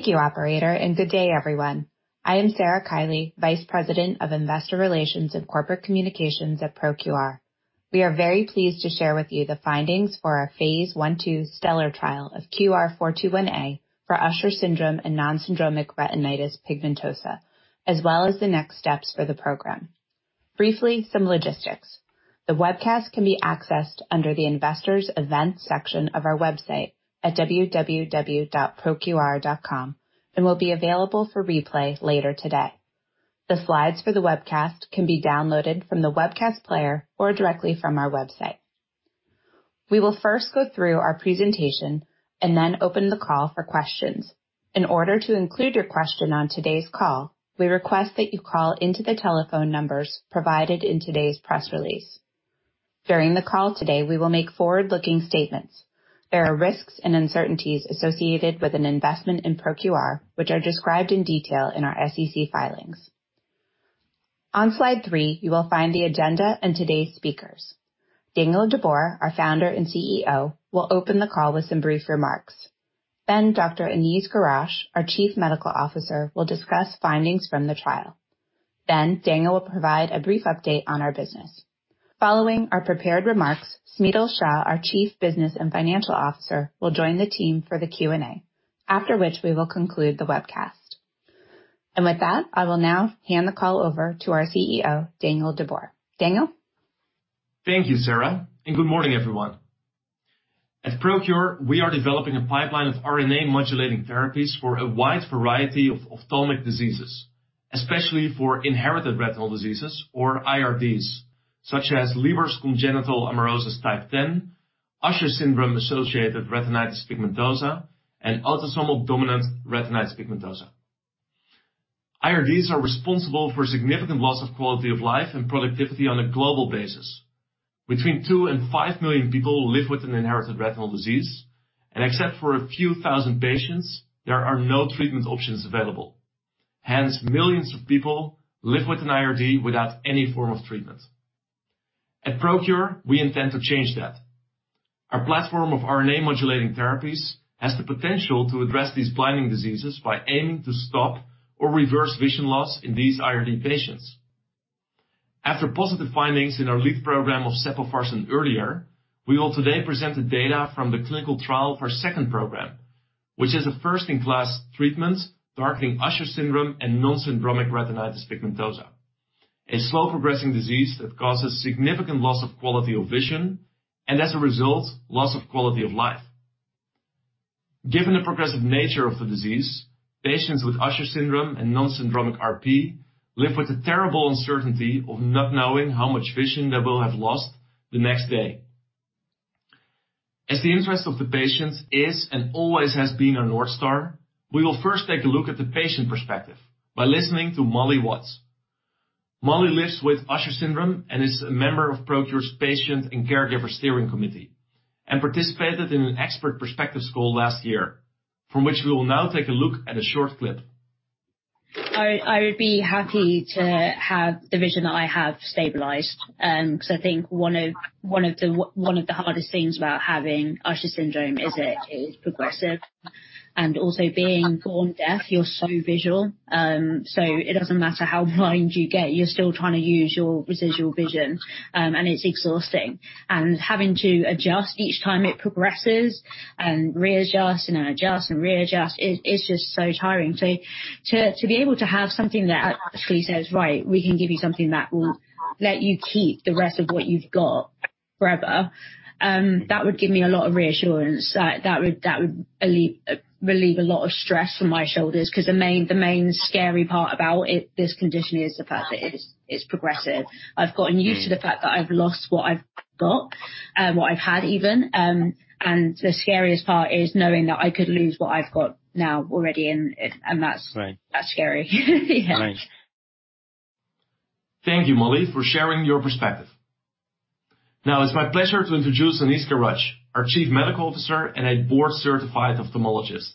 Thank you operator. Good day everyone. I am Sarah Kiely, Vice President of Investor Relations of Corporate Communications at ProQR. We are very pleased to share with you the findings for our phase I/II STELLAR trial of QR-421a for Usher syndrome and non-syndromic retinitis pigmentosa, as well as the next steps for the program. Briefly, some logistics. The webcast can be accessed under the investors events section of our website at www.proqr.com, will be available for replay later today. The slides for the webcast can be downloaded from the webcast player or directly from our website. We will first go through our presentation then open the call for questions. In order to include your question on today's call, we request that you call into the telephone numbers provided in today's press release. During the call today, we will make forward-looking statements. There are risks and uncertainties associated with an investment in ProQR, which are described in detail in our SEC filings. On slide three, you will find the agenda and today's speakers. Daniel de Boer, our Founder and CEO, will open the call with some brief remarks. Dr. Aniz Girach, our Chief Medical Officer, will discuss findings from the trial. Daniel will provide a brief update on our business. Following our prepared remarks, Smital Shah, our Chief Business and Financial Officer, will join the team for the Q&A, after which we will conclude the webcast. With that, I will now hand the call over to our CEO, Daniel de Boer. Daniel? Thank you, Sarah, and good morning everyone. At ProQR, we are developing a pipeline of RNA-modulating therapies for a wide variety of ophthalmic diseases, especially for inherited retinal diseases or IRDs, such as Leber's congenital amaurosis type 10, Usher syndrome-associated retinitis pigmentosa, and autosomal dominant retinitis pigmentosa. IRDs are responsible for significant loss of quality of life and productivity on a global basis. Between two and five million people live with an inherited retinal disease, and except for a few thousand patients, there are no treatment options available. Hence, millions of people live with an an IRD without any form of treatment. At ProQR, we intend to change that. Our platform of RNA-modulating therapies has the potential to address these blinding diseases by aiming to stop or reverse vision loss in these IRD patients. After positive findings in our lead program of sepofarsen earlier, we will today present the data from the clinical trial for our second program, which is a first-in-class treatment targeting Usher syndrome and non-syndromic retinitis pigmentosa. A slow progressing disease that causes significant loss of quality of vision, and as a result, loss of quality of life. Given the progressive nature of the disease, patients with Usher syndrome and non-syndromic RP live with the terrible uncertainty of not knowing how much vision they will have lost the next day. As the interest of the patients is and always has been our north star, we will first take a look at the patient perspective by listening to Molly Watt. Molly lives with Usher syndrome and is a member of ProQR's Patient and Caregiver Steering Committee, and participated in an expert perspectives call last year, from which we will now take a look at a short clip. I would be happy to have the vision that I have stabilized, because I think one of the hardest things about having Usher syndrome is it is progressive. Also being born deaf, you're so visual. It doesn't matter how blind you get, you're still trying to use your residual vision, and it's exhausting. Having to adjust each time it progresses and readjust and adjust and readjust is just so tiring. To be able to have something that actually says, "Right, we can give you something that will let you keep the rest of what you've got forever," that would give me a lot of reassurance. That would relieve a lot of stress from my shoulders, because the main scary part about this condition is the fact that it's progressive. I've gotten used to the fact that I've lost what I've got, what I've had even. The scariest part is knowing that I could lose what I've got now already. Right that's scary. Yeah. Right. Thank you, Molly, for sharing your perspective. Now it's my pleasure to introduce Aniz Girach, our Chief Medical Officer and a board-certified ophthalmologist.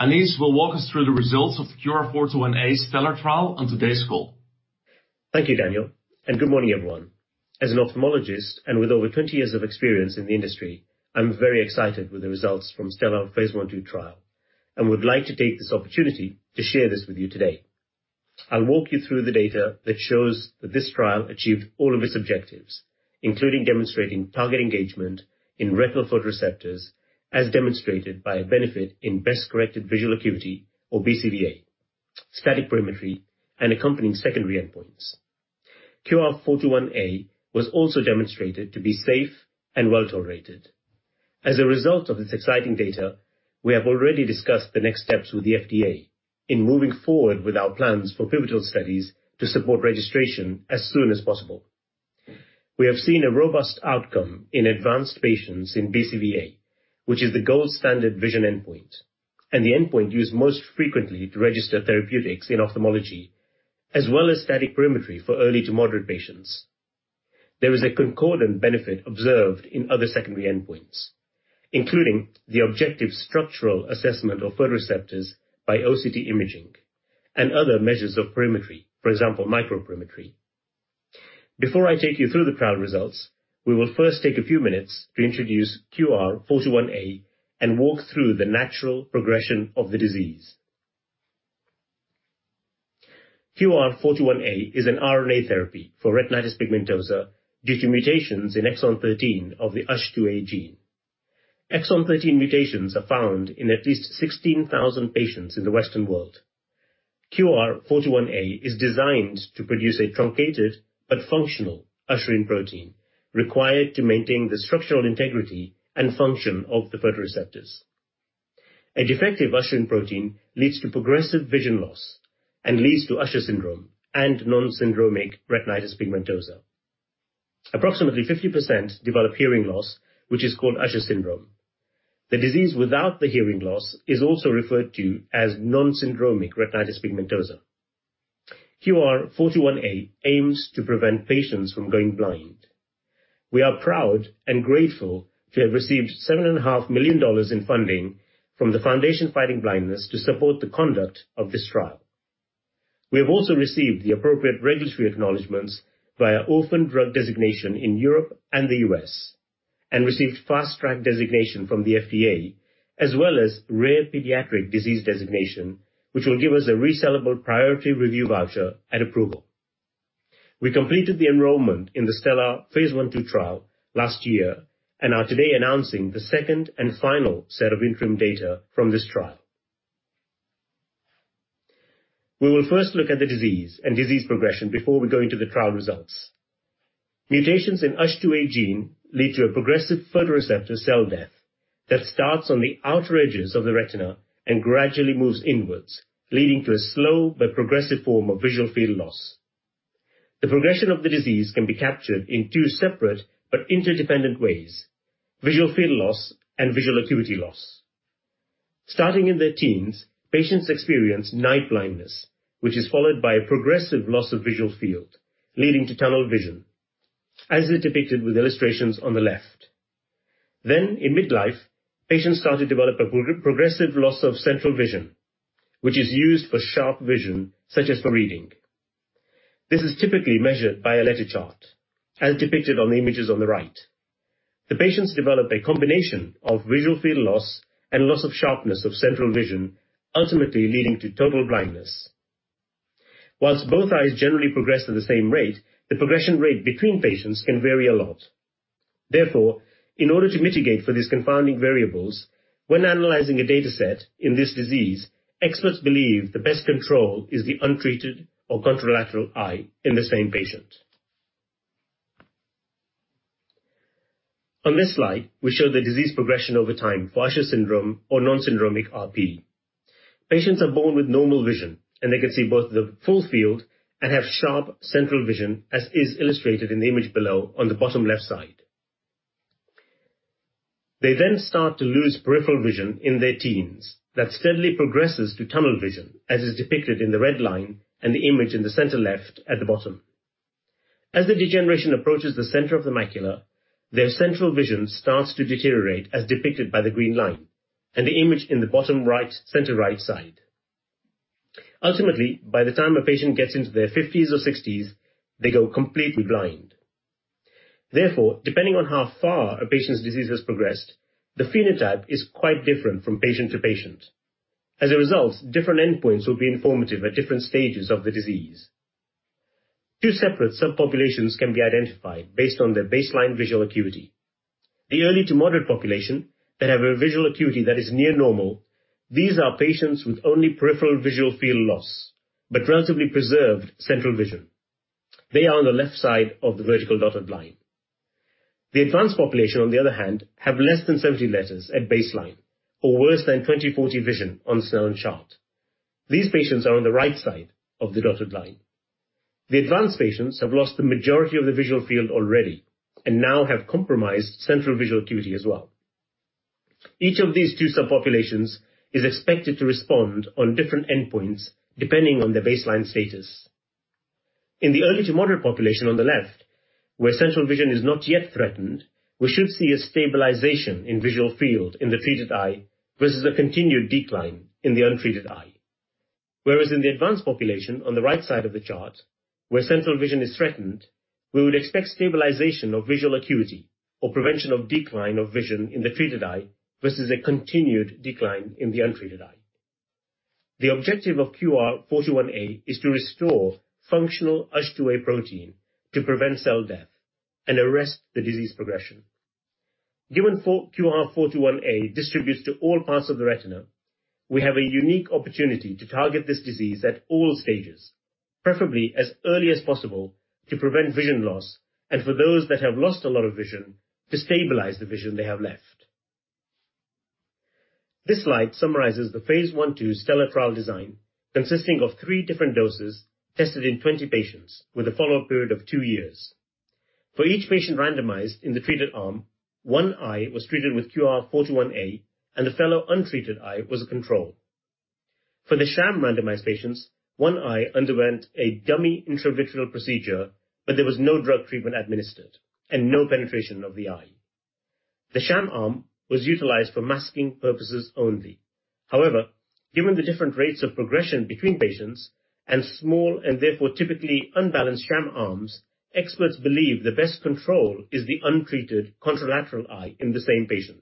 Aniz will walk us through the results of QR-421a's STELLAR trial on today's call. Thank you, Daniel, and good morning everyone. As an ophthalmologist and with over 20 years of experience in the industry, I'm very excited with the results from STELLAR phase I/II trial and would like to take this opportunity to share this with you today. I'll walk you through the data that shows that this trial achieved all of its objectives, including demonstrating target engagement in retinal photoreceptors, as demonstrated by a benefit in best corrected visual acuity BCVA, static perimetry, and accompanying secondary endpoints. QR-421a was also demonstrated to be safe and well-tolerated. As a result of this exciting data, we have already discussed the next steps with the FDA in moving forward with our plans for pivotal studies to support registration as soon as possible. We have seen a robust outcome in advanced patients in BCVA, which is the gold standard vision endpoint and the endpoint used most frequently to register therapeutics in ophthalmology, as well as static perimetry for early to moderate patients. There is a concordant benefit observed in other secondary endpoints, including the objective structural assessment of photoreceptors by OCT imaging and other measures of perimetry. For example, microperimetry. Before I take you through the trial results, we will first take a few minutes to introduce QR-421a and walk through the natural progression of the disease. QR-421a is an RNA therapy for retinitis pigmentosa due to mutations in exon 13 of the USH2A gene. Exon 13 mutations are found in at least 16,000 patients in the Western world. QR-421a is designed to produce a truncated but functional usherin protein required to maintain the structural integrity and function of the photoreceptors. A defective usherin protein leads to progressive vision loss and leads to Usher syndrome and non-syndromic retinitis pigmentosa. Approximately 50% develop hearing loss, which is called Usher syndrome. The disease without the hearing loss is also referred to as non-syndromic retinitis pigmentosa. QR-421a aims to prevent patients from going blind. We are proud and grateful to have received $7.5 million in funding from the Foundation Fighting Blindness to support the conduct of this trial. We have also received the appropriate regulatory acknowledgments via orphan drug designation in Europe and the U.S., and received Fast Track designation from the FDA, as well as rare pediatric disease designation, which will give us a resellable priority review voucher at approval. We completed the enrollment in the STELLAR phase I/II trial last year and are today announcing the second and final set of interim data from this trial. We will first look at the disease and disease progression before we go into the trial results. Mutations in USH2A gene lead to a progressive photoreceptor cell death that starts on the outer edges of the retina and gradually moves inwards, leading to a slow but progressive form of visual field loss. The progression of the disease can be captured in two separate but interdependent ways, visual field loss and visual acuity loss. Starting in their teens, patients experience night blindness, which is followed by a progressive loss of visual field, leading to tunnel vision, as is depicted with illustrations on the left. In midlife, patients start to develop a progressive loss of central vision, which is used for sharp vision, such as for reading. This is typically measured by a letter chart, as depicted on the images on the right. The patients develop a combination of visual field loss and loss of sharpness of central vision, ultimately leading to total blindness. While both eyes generally progress at the same rate, the progression rate between patients can vary a lot. In order to mitigate for these confounding variables, when analyzing a data set in this disease, experts believe the best control is the untreated or contralateral eye in the same patient. On this slide, we show the disease progression over time for Usher syndrome or non-syndromic RP. Patients are born with normal vision, and they can see both the full field and have sharp central vision, as is illustrated in the image below on the bottom left side. They start to lose peripheral vision in their teens that steadily progresses to tunnel vision, as is depicted in the red line and the image in the center left at the bottom. As the degeneration approaches the center of the macula, their central vision starts to deteriorate, as depicted by the green line and the image in the bottom right, center right side. Ultimately, by the time a patient gets into their 50s or 60s, they go completely blind. Therefore, depending on how far a patient's disease has progressed, the phenotype is quite different from patient to patient. As a result, different endpoints will be informative at different stages of the disease. Two separate subpopulations can be identified based on their baseline visual acuity. The early to moderate population that have a visual acuity that is near normal, these are patients with only peripheral visual field loss, but relatively preserved central vision. They are on the left side of the vertical dotted line. The advanced population, on the other hand, have less than 70 letters at baseline or worse than 20/40 vision on Snellen chart. These patients are on the right side of the dotted line. The advanced patients have lost the majority of the visual field already and now have compromised central visual acuity as well. Each of these two subpopulations is expected to respond on different endpoints depending on their baseline status. In the early to moderate population on the left, where central vision is not yet threatened, we should see a stabilization in visual field in the treated eye versus a continued decline in the untreated eye. Whereas in the advanced population on the right side of the chart, where central vision is threatened, we would expect stabilization of visual acuity or prevention of decline of vision in the treated eye versus a continued decline in the untreated eye. The objective of QR-421a is to restore functional USH2A protein to prevent cell death and arrest the disease progression. Given QR-421a distributes to all parts of the retina, we have a unique opportunity to target this disease at all stages, preferably as early as possible, to prevent vision loss, and for those that have lost a lot of vision, to stabilize the vision they have left. This slide summarizes the phase I/II STELLAR trial design, consisting of three different doses tested in 20 patients with a follow-up period of two years. For each patient randomized in the treated arm, one eye was treated with QR-421a, and the fellow untreated eye was a control. For the sham randomized patients, one eye underwent a dummy intravitreal procedure, but there was no drug treatment administered and no penetration of the eye. The sham arm was utilized for masking purposes only. However, given the different rates of progression between patients and small and therefore typically unbalanced sham arms, experts believe the best control is the untreated contralateral eye in the same patient.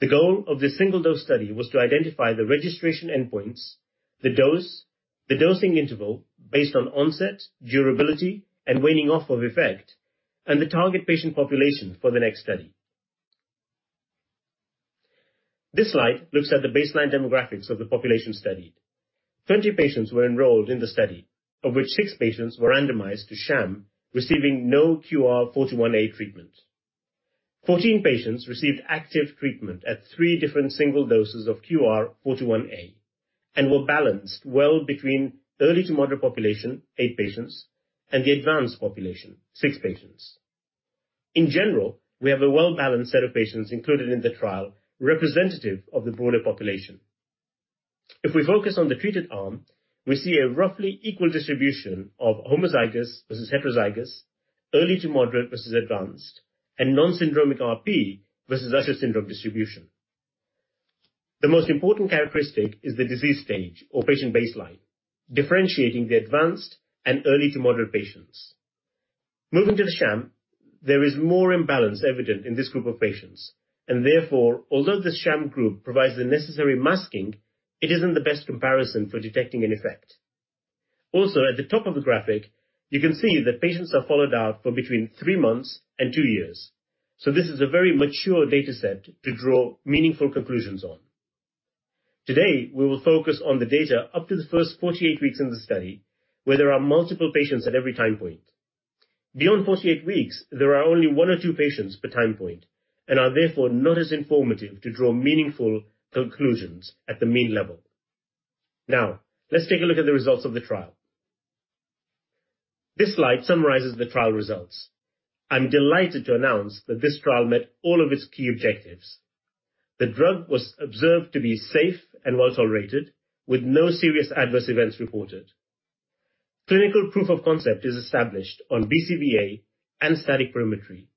The goal of this single-dose study was to identify the registration endpoints, the dose, the dosing interval based on onset, durability, and waning off of effect, and the target patient population for the next study. This slide looks at the baseline demographics of the population studied. 20 patients were enrolled in the study, of which six patients were randomized to sham, receiving no QR-421a treatment. 14 patients received active treatment at three different single doses of QR-421a and were balanced well between early to moderate population, eight patients, and the advanced population, six patients. In general, we have a well-balanced set of patients included in the trial, representative of the broader population. If we focus on the treated arm, we see a roughly equal distribution of homozygous versus heterozygous, early to moderate versus advanced, and non-syndromic RP versus Usher syndrome distribution. The most important characteristic is the disease stage or patient baseline, differentiating the advanced and early to moderate patients. Moving to the sham, there is more imbalance evident in this group of patients, and therefore, although the sham group provides the necessary masking, it isn't the best comparison for detecting an effect. At the top of the graphic, you can see that patients are followed out for between three months and two years. This is a very mature data set to draw meaningful conclusions on. Today, we will focus on the data up to the first 48 weeks in the study, where there are multiple patients at every time point. Beyond 48 weeks, there are only one or two patients per time point and are therefore not as informative to draw meaningful conclusions at the mean level. Let's take a look at the results of the trial. This slide summarizes the trial results. I'm delighted to announce that this trial met all of its key objectives. The drug was observed to be safe and well-tolerated, with no serious adverse events reported. Clinical proof of concept is established on BCVA and static perimetry,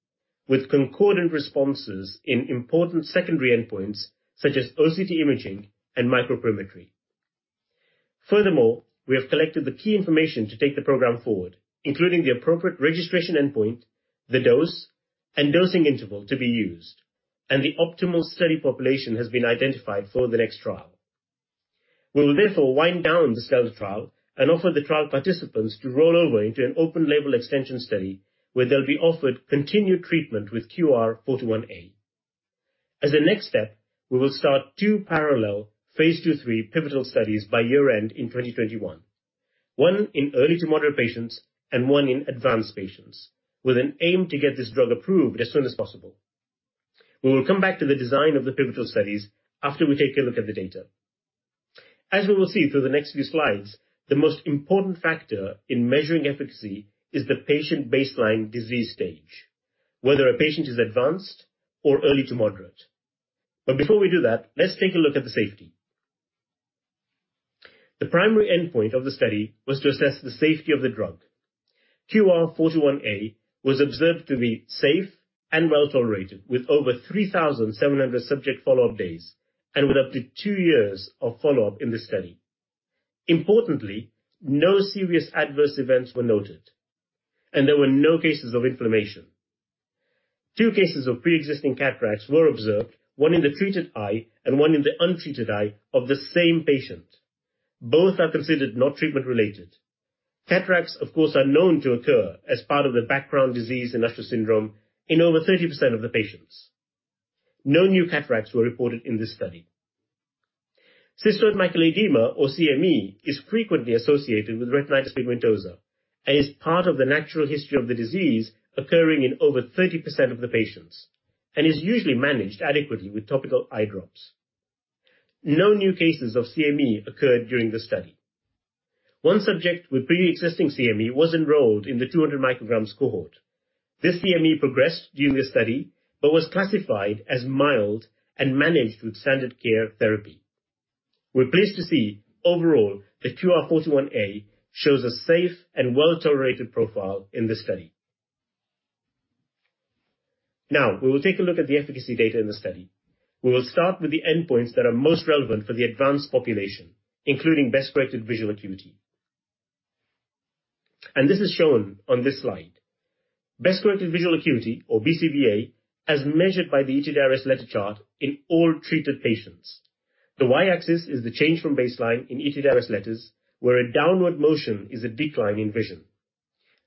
with concordant responses in important secondary endpoints such as OCT imaging and microperimetry. We have collected the key information to take the program forward, including the appropriate registration endpoint, the dose, and dosing interval to be used, and the optimal study population has been identified for the next trial. We will wind down the STELLAR trial and offer the trial participants to roll over into an open-label extension study where they'll be offered continued treatment with QR-421a. As a next step, we will start two parallel phase II/III pivotal studies by year-end in 2021. One in early to moderate patients and one in advanced patients with an aim to get this drug approved as soon as possible. We will come back to the design of the pivotal studies after we take a look at the data. As we will see through the next few slides, the most important factor in measuring efficacy is the patient baseline disease stage, whether a patient is advanced or early to moderate. Before we do that, let's take a look at the safety. The primary endpoint of the study was to assess the safety of the drug. QR-421a was observed to be safe and well-tolerated with over 3,700 subject follow-up days and with up to two years of follow-up in the study. Importantly, no serious adverse events were noted, and there were no cases of inflammation. Two cases of pre-existing cataracts were observed, one in the treated eye and one in the untreated eye of the same patient. Both are considered not treatment-related. Cataracts, of course, are known to occur as part of the background disease in Usher syndrome in over 30% of the patients. No new cataracts were reported in this study. cystoid macular edema, or CME, is frequently associated with retinitis pigmentosa and is part of the natural history of the disease occurring in over 30% of the patients and is usually managed adequately with topical eye drops. No new cases of CME occurred during the study. One subject with pre-existing CME was enrolled in the 200 micrograms cohort. This CME progressed during the study but was classified as mild and managed with standard care therapy. We're pleased to see overall that QR-421a shows a safe and well-tolerated profile in the study. Now, we will take a look at the efficacy data in the study. This is shown on this slide. Best corrected visual acuity, or BCVA, as measured by the ETDRS letter chart in all treated patients. The y-axis is the change from baseline in ETDRS letters, where a downward motion is a decline in vision.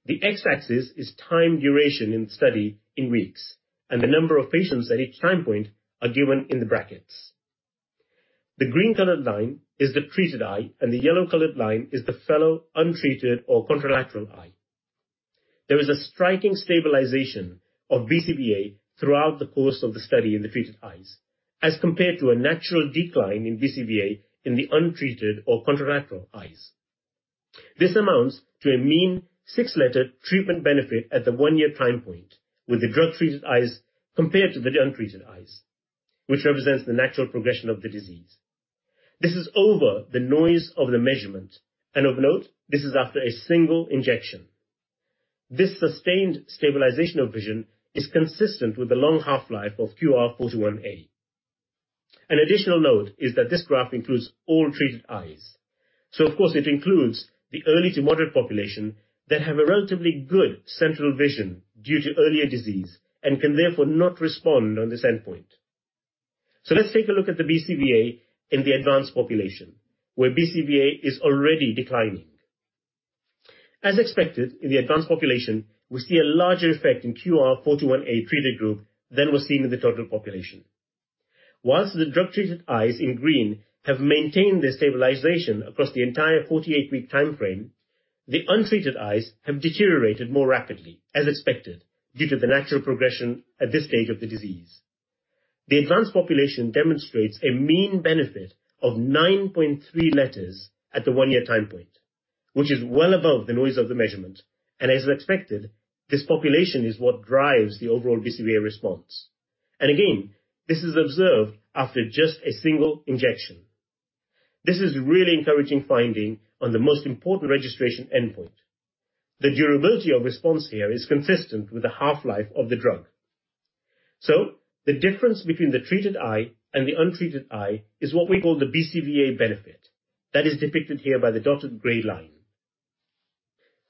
The x-axis is time duration in the study in weeks, and the number of patients at each time point are given in the brackets. The green colored line is the treated eye, and the yellow colored line is the fellow untreated or contralateral eye. There is a striking stabilization of BCVA throughout the course of the study in the treated eyes, as compared to a natural decline in BCVA in the untreated or contralateral eyes. This amounts to a mean six-letter treatment benefit at the one-year time point with the drug-treated eyes compared to the untreated eyes, which represents the natural progression of the disease. This is over the noise of the measurement. Of note, this is after a single injection. This sustained stabilization of vision is consistent with the long half-life of QR-421a. An additional note is that this graph includes all treated eyes. Of course, it includes the early to moderate population that have a relatively good central vision due to earlier disease and can therefore not respond on this endpoint. Let's take a look at the BCVA in the advanced population where BCVA is already declining. As expected, in the advanced population, we see a larger effect in QR-421a treated group than was seen in the total population. The drug-treated eyes in green have maintained their stabilization across the entire 48-week timeframe, the untreated eyes have deteriorated more rapidly, as expected, due to the natural progression at this stage of the disease. The advanced population demonstrates a mean benefit of 9.3 letters at the one-year time point, which is well above the noise of the measurement. As expected, this population is what drives the overall BCVA response. Again, this is observed after just a single injection. This is a really encouraging finding on the most important registration endpoint. The durability of response here is consistent with the half-life of the drug. The difference between the treated eye and the untreated eye is what we call the BCVA benefit. That is depicted here by the dotted gray line.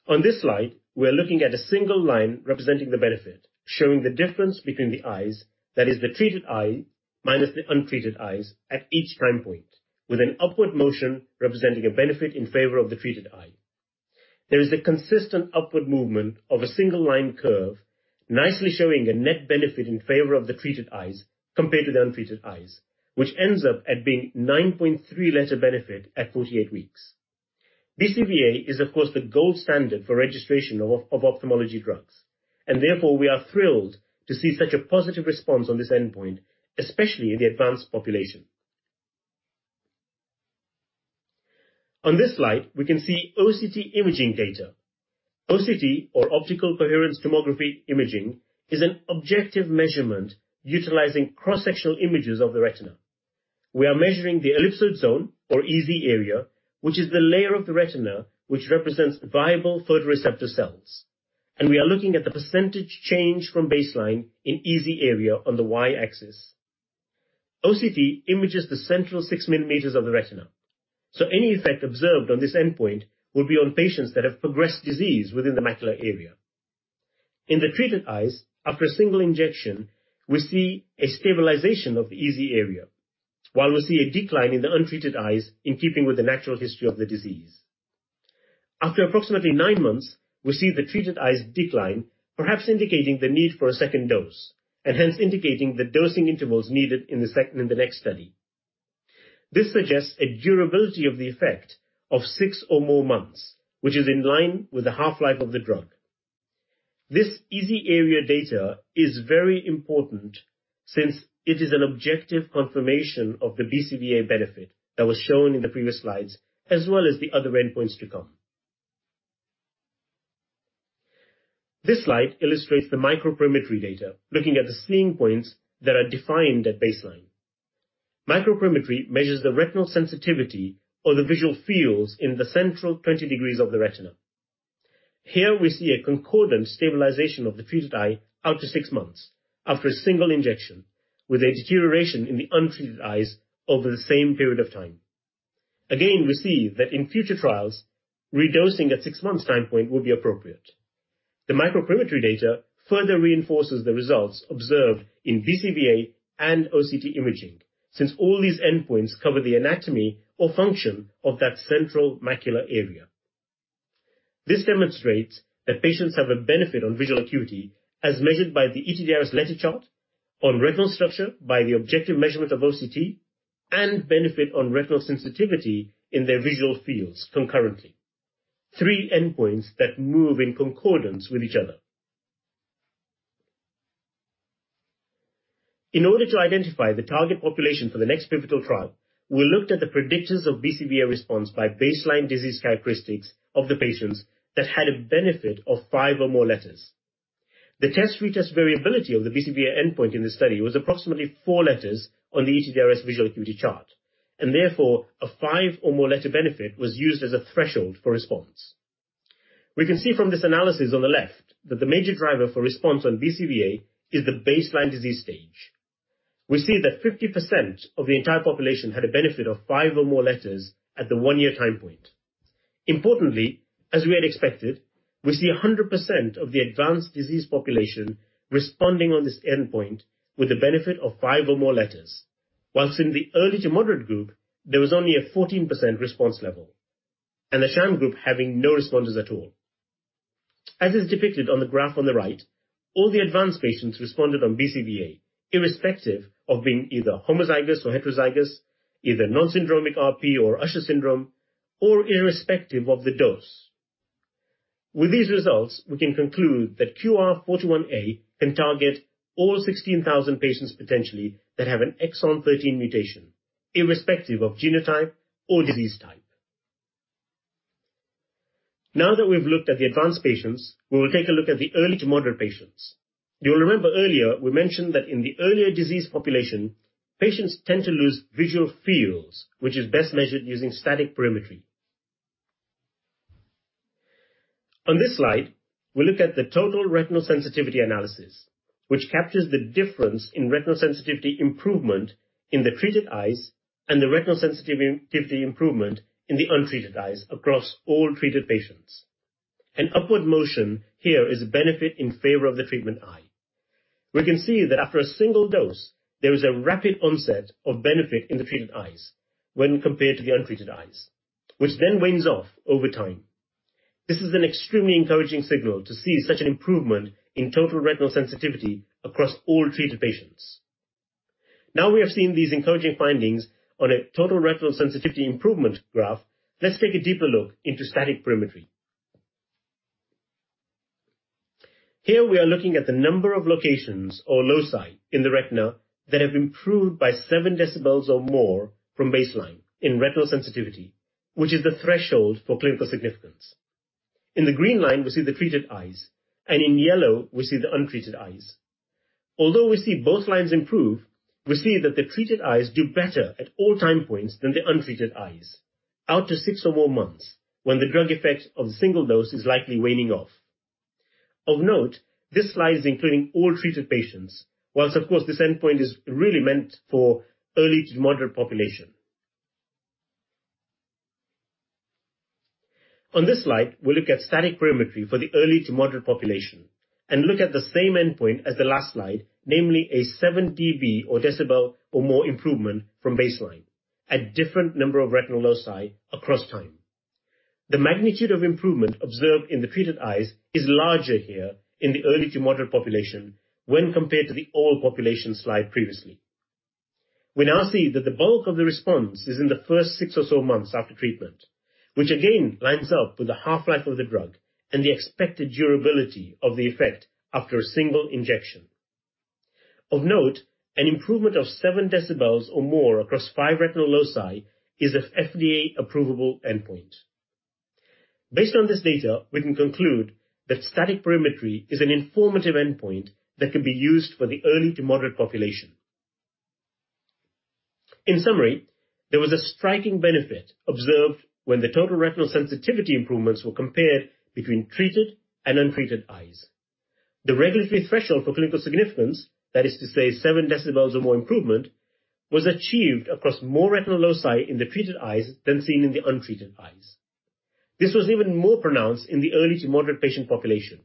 On this slide, we are looking at a single line representing the benefit, showing the difference between the eyes, that is the treated eye minus the untreated eyes, at each time point, with an upward motion representing a benefit in favor of the treated eye. There is a consistent upward movement of a single line curve, nicely showing a net benefit in favor of the treated eyes compared to the untreated eyes, which ends up at being 9.3 letter benefit at 48 weeks. BCVA is, of course, the gold standard for registration of ophthalmology drugs. Therefore we are thrilled to see such a positive response on this endpoint, especially in the advanced population. On this slide, we can see OCT imaging data. OCT or optical coherence tomography imaging is an objective measurement utilizing cross-sectional images of the retina. We are measuring the Ellipsoid Zone or EZ area, which is the layer of the retina, which represents viable photoreceptor cells. We are looking at the percentage change from baseline in EZ area on the y-axis. OCT images the central 6 mm of the retina. Any effect observed on this endpoint will be on patients that have progressed disease within the macular area. In the treated eyes, after a single injection, we see a stabilization of the EZ area, while we see a decline in the untreated eyes in keeping with the natural history of the disease. After approximately nine months, we see the treated eyes decline, perhaps indicating the need for a second dose and hence indicating the dosing intervals needed in the next study. This suggests a durability of the effect of six or more months, which is in line with the half-life of the drug. This EZ area data is very important since it is an objective confirmation of the BCVA benefit that was shown in the previous slides as well as the other endpoints to come. This slide illustrates the microperimetry data looking at the loci that are defined at baseline. Microperimetry measures the retinal sensitivity or the visual fields in the central 20 degrees of the retina. Here we see a concordant stabilization of the treated eye out to six months after a single injection, with a deterioration in the untreated eyes over the same period of time. Again, we see that in future trials, redosing at six months time point would be appropriate. The microperimetry data further reinforces the results observed in BCVA and OCT imaging since all these endpoints cover the anatomy or function of that central macular area. This demonstrates that patients have a benefit on visual acuity as measured by the ETDRS letter chart on retinal structure by the objective measurement of OCT and benefit on retinal sensitivity in their visual fields concurrently. Three endpoints that move in concordance with each other. In order to identify the target population for the next pivotal trial, we looked at the predictors of BCVA response by baseline disease characteristics of the patients that had a benefit of five or more letters. The test-retest variability of the BCVA endpoint in this study was approximately four letters on the ETDRS visual acuity chart, and therefore a five or more letter benefit was used as a threshold for response. We can see from this analysis on the left that the major driver for response on BCVA is the baseline disease stage. We see that 50% of the entire population had a benefit of five or more letters at the one-year time point. Importantly, as we had expected, we see 100% of the advanced disease population responding on this endpoint with the benefit of five or more letters. In the early to moderate group, there was only a 14% response level, and the sham group having no responders at all. As is depicted on the graph on the right, all the advanced patients responded on BCVA irrespective of being either homozygous or heterozygous, either non-syndromic RP or Usher syndrome, or irrespective of the dose. With these results, we can conclude that QR-421a can target all 16,000 patients potentially that have an exon 13 mutation irrespective of genotype or disease type. Now that we've looked at the advanced patients, we will take a look at the early to moderate patients. You'll remember earlier we mentioned that in the earlier disease population, patients tend to lose visual fields, which is best measured using static perimetry. On this slide, we look at the total retinal sensitivity analysis, which captures the difference in retinal sensitivity improvement in the treated eyes and the retinal sensitivity improvement in the untreated eyes across all treated patients. An upward motion here is a benefit in favor of the treatment eye. We can see that after a single dose, there is a rapid onset of benefit in the treated eyes when compared to the untreated eyes, which then wanes off over time. This is an extremely encouraging signal to see such an improvement in total retinal sensitivity across all treated patients. Now we have seen these encouraging findings on a total retinal sensitivity improvement graph, let's take a deeper look into static perimetry. Here we are looking at the number of locations or loci in the retina that have improved by 7 dB or more from baseline in retinal sensitivity, which is the threshold for clinical significance. In the green line, we see the treated eyes, and in yellow we see the untreated eyes. Although we see both lines improve, we see that the treated eyes do better at all time points than the untreated eyes out to six or more months when the drug effect of the single dose is likely waning off. Of note, this slide is including all treated patients, whilst, of course, this endpoint is really meant for early to moderate population. On this slide, we look at static perimetry for the early to moderate population and look at the same endpoint as the last slide, namely a 7 dB or decibel or more improvement from baseline at different number of retinal loci across time. The magnitude of improvement observed in the treated eyes is larger here in the early to moderate population when compared to the all population slide previously. We now see that the bulk of the response is in the first six or so months after treatment, which again lines up with the half-life of the drug and the expected durability of the effect after a single injection. Of note, an improvement of seven decibels or more across five retinal loci is an FDA approvable endpoint. Based on this data, we can conclude that static perimetry is an informative endpoint that can be used for the early to moderate population. In summary, there was a striking benefit observed when the total retinal sensitivity improvements were compared between treated and untreated eyes. The regulatory threshold for clinical significance, that is to say 7 dB or more improvement, was achieved across more retinal loci in the treated eyes than seen in the untreated eyes. This was even more pronounced in the early to moderate patient population,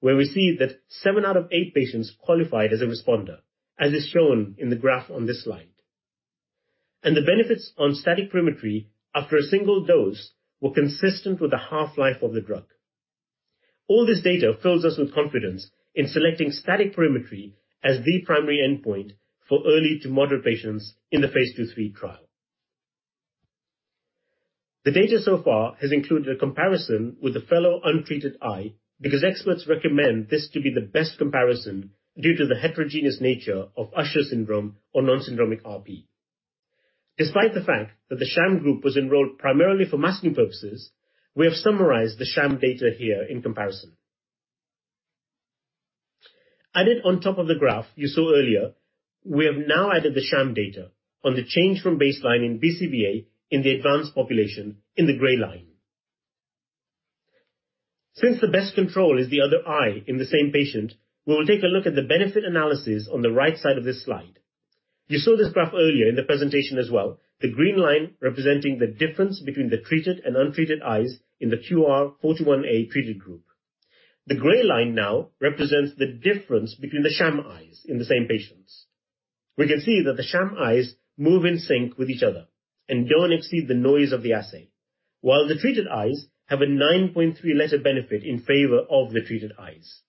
where we see that seven out of eight patients qualified as a responder, as is shown in the graph on this slide. The benefits on static perimetry after a single dose were consistent with the half-life of the drug. All this data fills us with confidence in selecting static perimetry as the primary endpoint for early to moderate patients in the phase II/III trial. The data so far has included a comparison with the fellow untreated eye because experts recommend this to be the best comparison due to the heterogeneous nature of Usher syndrome or non-syndromic RP. Despite the fact that the sham group was enrolled primarily for masking purposes, we have summarized the sham data here in comparison. Added on top of the graph you saw earlier, we have now added the sham data on the change from baseline in BCVA in the advanced population in the gray line. Since the best control is the other eye in the same patient, we will take a look at the benefit analysis on the right side of this slide. You saw this graph earlier in the presentation as well, the green line representing the difference between the treated and untreated eyes in the QR-421a treated group. The gray line now represents the difference between the sham eyes in the same patients. We can see that the sham eyes move in sync with each other and don't exceed the noise of the assay. While the treated eyes have a 9.3 letter benefit in favor of the treated eyes.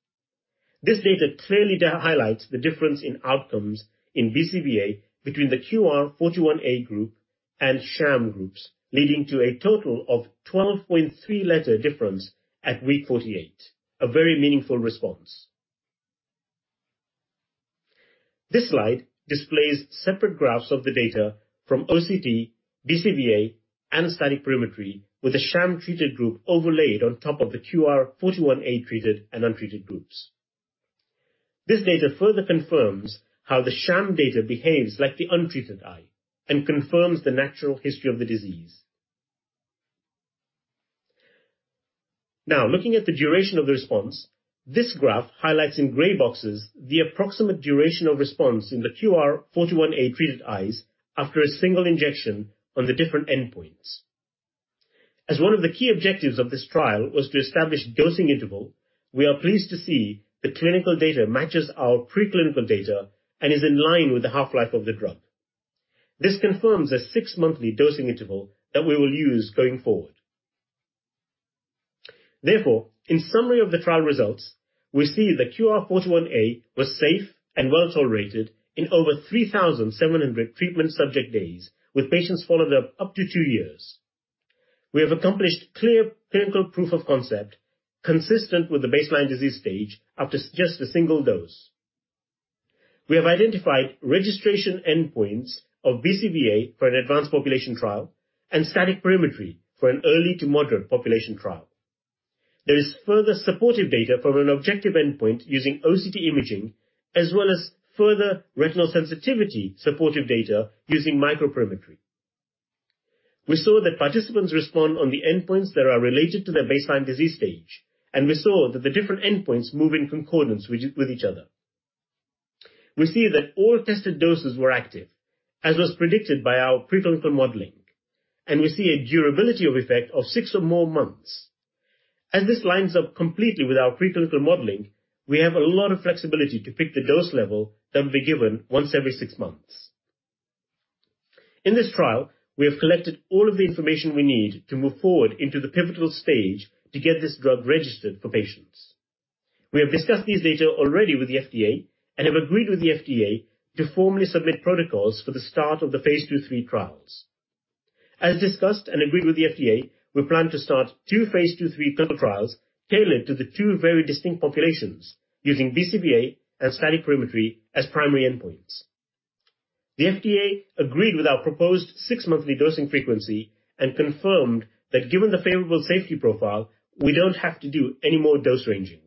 This data clearly highlights the difference in outcomes in BCVA between the QR-421a group and sham groups, leading to a total of 12.3 letter difference at week 48. A very meaningful response. This slide displays separate graphs of the data from OCT, BCVA, and static perimetry with the sham-treated group overlaid on top of the QR-421a treated and untreated groups. This data further confirms how the sham data behaves like the untreated eye and confirms the natural history of the disease. Looking at the duration of the response, this graph highlights in gray boxes the approximate duration of response in the QR-421a treated eyes after a single injection on the different endpoints. As one of the key objectives of this trial was to establish dosing interval, we are pleased to see the clinical data matches our preclinical data and is in line with the half-life of the drug. This confirms a six-monthly dosing interval that we will use going forward. In summary of the trial results, we see that QR-421a was safe and well-tolerated in over 3,700 treatment subject days with patients followed up to two years. We have accomplished clear clinical proof of concept consistent with the baseline disease stage after just a single dose. We have identified registration endpoints of BCVA for an advanced population trial and static perimetry for an early to moderate population trial. There is further supportive data from an objective endpoint using OCT imaging as well as further retinal sensitivity supportive data using microperimetry. We saw that participants respond on the endpoints that are related to their baseline disease stage, and we saw that the different endpoints move in concordance with each other. We see that all tested doses were active, as was predicted by our preclinical modeling, and we see a durability of effect of six or more months. As this lines up completely with our preclinical modeling, we have a lot of flexibility to pick the dose level that will be given once every six months. In this trial, we have collected all of the information we need to move forward into the pivotal stage to get this drug registered for patients. We have discussed these data already with the FDA and have agreed with the FDA to formally submit protocols for the start of the phase II/III trials. As discussed and agreed with the FDA, we plan to start two phase II/III clinical trials tailored to the two very distinct populations using BCVA and static perimetry as primary endpoints. The FDA agreed with our proposed six-monthly dosing frequency and confirmed that given the favorable safety profile, we don't have to do any more dose ranging.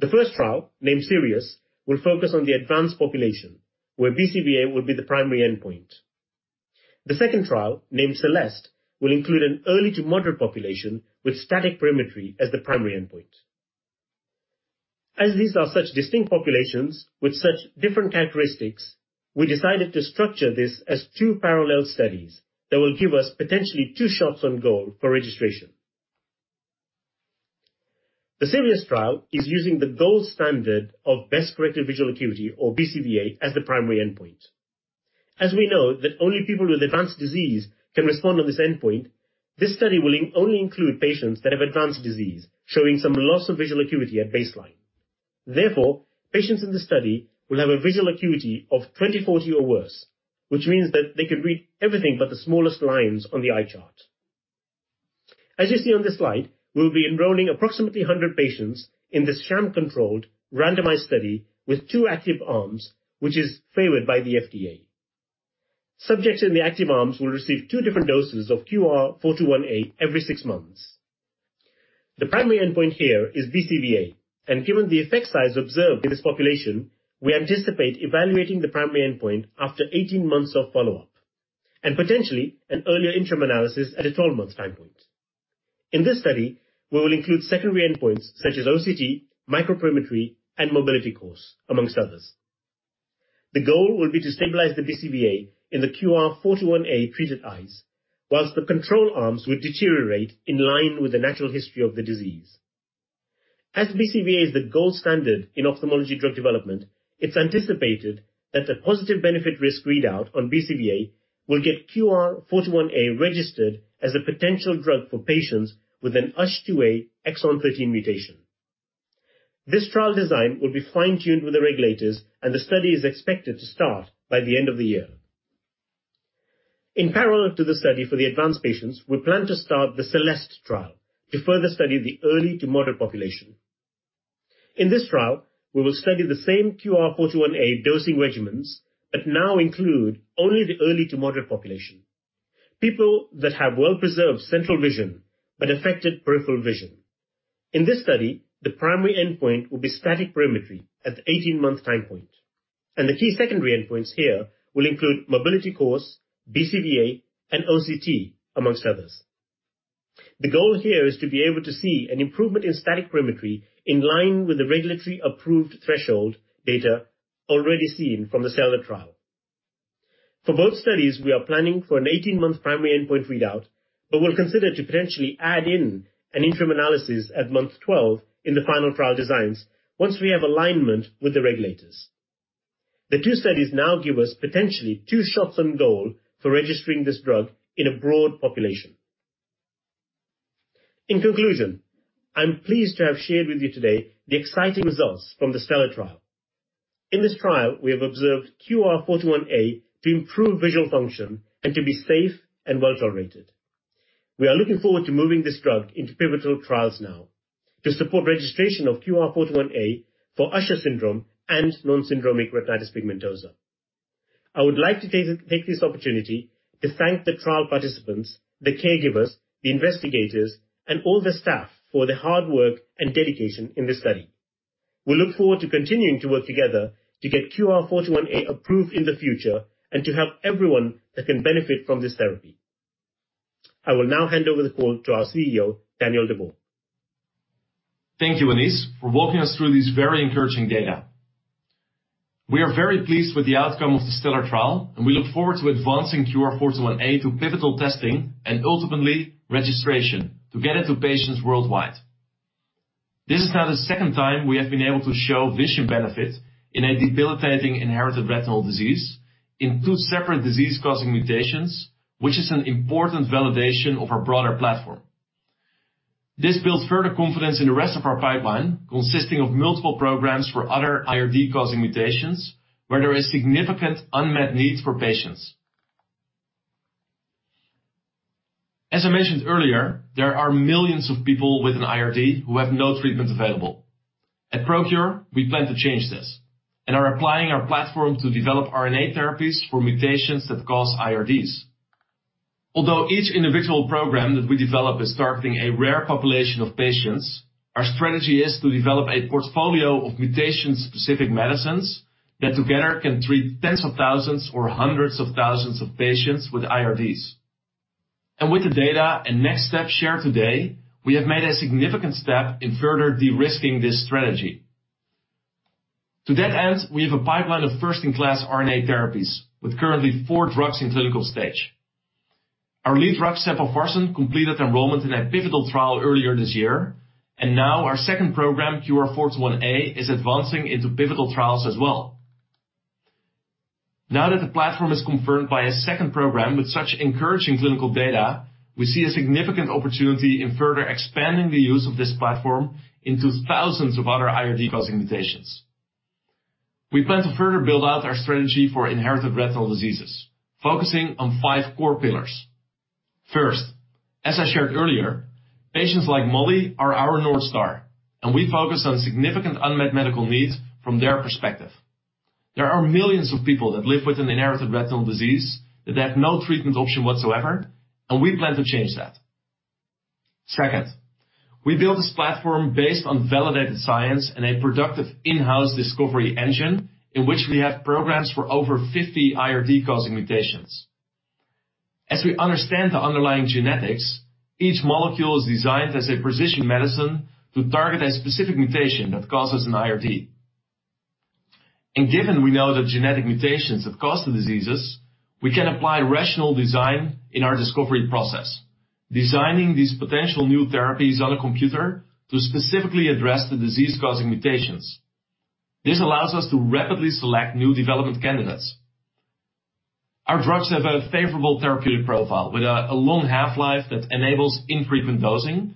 The first trial, named Sirius, will focus on the advanced population, where BCVA will be the primary endpoint. The second trial, named Celeste, will include an early to moderate population with static perimetry as the primary endpoint. These are such distinct populations with such different characteristics, we decided to structure this as two parallel studies that will give us potentially two shots on goal for registration. The Sirius trial is using the gold standard of best corrected visual acuity, or BCVA, as the primary endpoint. We know that only people with advanced disease can respond on this endpoint, this study will only include patients that have advanced disease, showing some loss of visual acuity at baseline. Patients in the study will have a visual acuity of 20/40 or worse, which means that they can read everything but the smallest lines on the eye chart. You see on this slide, we will be enrolling approximately 100 patients in this sham-controlled randomized study with two active arms, which is favored by the FDA. Subjects in the active arms will receive two different doses of QR-421a every six months. The primary endpoint here is BCVA, and given the effect size observed in this population, we anticipate evaluating the primary endpoint after 18 months of follow-up, and potentially an earlier interim analysis at a 12-month time point. In this study, we will include secondary endpoints such as OCT, microperimetry, and mobility course, amongst others. The goal will be to stabilize the BCVA in the QR-421a treated eyes, whilst the control arms will deteriorate in line with the natural history of the disease. As BCVA is the gold standard in ophthalmology drug development, it's anticipated that a positive benefit risk readout on BCVA will get QR-421a registered as a potential drug for patients with an USH2A exon 13 mutation. This trial design will be fine-tuned with the regulators, and the study is expected to start by the end of the year. In parallel to the study for the advanced patients, we plan to start the Celeste trial to further study the early to moderate population. In this trial, we will study the same QR-421a dosing regimens, but now include only the early to moderate population, people that have well-preserved central vision but affected peripheral vision. In this study, the primary endpoint will be static perimetry at the 18-month time point, and the key secondary endpoints here will include mobility course, BCVA, and OCT, amongst others. The goal here is to be able to see an improvement in static perimetry in line with the regulatory approved threshold data already seen from the STELLAR trial. For both studies, we are planning for an 18-month primary endpoint readout. We'll consider to potentially add in an interim analysis at month 12 in the final trial designs once we have alignment with the regulators. The two studies now give us potentially two shots on goal for registering this drug in a broad population. In conclusion, I'm pleased to have shared with you today the exciting results from the STELLAR trial. In this trial, we have observed QR-421a to improve visual function and to be safe and well-tolerated. We are looking forward to moving this drug into pivotal trials now to support registration of QR-421a for Usher syndrome and non-syndromic retinitis pigmentosa. I would like to take this opportunity to thank the trial participants, the caregivers, the investigators, and all the staff for their hard work and dedication in this study. We look forward to continuing to work together to get QR-421a approved in the future and to help everyone that can benefit from this therapy. I will now hand over the call to our CEO, Daniel de Boer. Thank you, Aniz, for walking us through these very encouraging data. We are very pleased with the outcome of the STELLAR trial. We look forward to advancing QR-421a to pivotal testing and ultimately registration to get it to patients worldwide. This is now the second time we have been able to show vision benefit in a debilitating inherited retinal disease in two separate disease-causing mutations, which is an important validation of our broader platform. This builds further confidence in the rest of our pipeline, consisting of multiple programs for other IRD-causing mutations where there is significant unmet need for patients. As I mentioned earlier, there are millions of people with an IRD who have no treatment available. At ProQR, we plan to change this and are applying our platform to develop RNA therapies for mutations that cause IRDs. Although each individual program that we develop is targeting a rare population of patients, our strategy is to develop a portfolio of mutation-specific medicines that together can treat tens of thousands or hundreds of thousands of patients with IRDs. With the data and next steps shared today, we have made a significant step in further de-risking this strategy. To that end, we have a pipeline of first-in-class RNA therapies with currently four drugs in clinical stage. Our lead drug, sepofarsen, completed enrollment in a pivotal trial earlier this year, and now our second program, QR-421a, is advancing into pivotal trials as well. Now that the platform is confirmed by a second program with such encouraging clinical data, we see a significant opportunity in further expanding the use of this platform into thousands of other IRD-causing mutations. We plan to further build out our strategy for inherited retinal diseases, focusing on five core pillars. First, as I shared earlier, patients like Molly are our North Star, and we focus on significant unmet medical needs from their perspective. There are millions of people that live with an inherited retinal disease that have no treatment option whatsoever, and we plan to change that. Second, we built this platform based on validated science and a productive in-house discovery engine in which we have programs for over 50 IRD-causing mutations. As we understand the underlying genetics, each molecule is designed as a precision medicine to target a specific mutation that causes an IRD. Given we know the genetic mutations that cause the diseases, we can apply rational design in our discovery process, designing these potential new therapies on a computer to specifically address the disease-causing mutations. This allows us to rapidly select new development candidates. Our drugs have a favorable therapeutic profile with a long half-life that enables infrequent dosing,